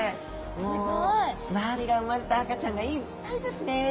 すごい！周りが産まれた赤ちゃんがいっぱいですね。